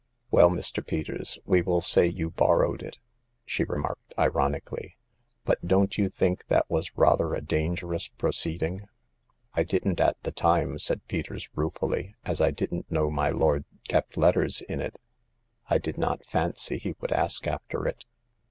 " Well, Mr. Peters, we will say you borrowed it," she remarked, ironically ; but don't you think that was rather a dangerous proceed ing ?"" I didn't at the time," said Peters, ruefully, " as I didn't know my lord kept letters in it. I did not fancy he would ask after it.